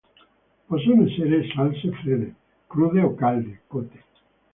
Possono essere salse fredde, crude o calde, cotte.